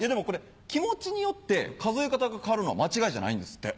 気持ちによって数え方が変わるのは間違いじゃないんですって。